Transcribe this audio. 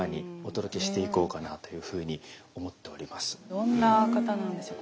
どんな方なんでしょう。